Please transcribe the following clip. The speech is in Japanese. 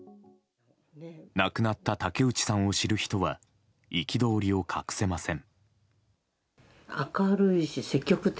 亡くなった竹内さんを知る人は憤りを隠せません。